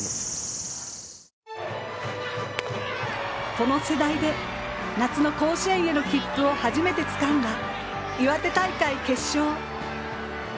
この世代で夏の甲子園への切符を初めてつかんだ岩手大会決勝。